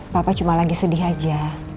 papa cuma lagi sedih aja